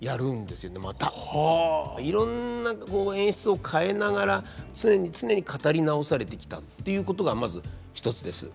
いろんな演出を変えながら常に常に語り直されてきたっていうことがまず一つです。